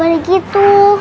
juana tidak begitu